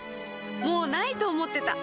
もう無いと思ってた